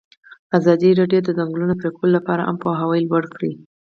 ازادي راډیو د د ځنګلونو پرېکول لپاره عامه پوهاوي لوړ کړی.